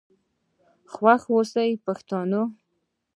خوښ آوسئ پښتنو.